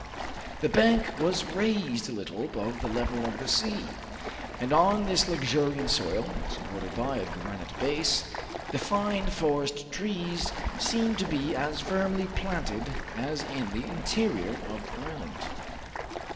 The bank was raised a little above the level of the sea, and on this luxuriant soil, supported by a granite base, the fine forest trees seemed to be as firmly planted as in the interior of the island.